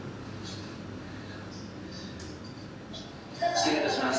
失礼いたします。